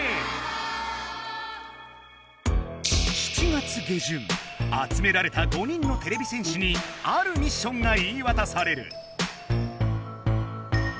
７月げじゅんあつめられた５人のてれび戦士にあるミッションが言いわたされる！